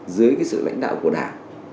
dưới sự lãnh đạo của đảng